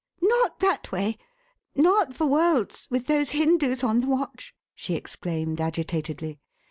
"Not that way! Not for worlds, with those Hindus on the watch!" she exclaimed agitatedly.